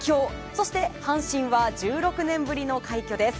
そして阪神は１６年ぶりの快挙です。